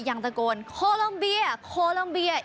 ยังตะโกนฮัลโฮลอมเบีย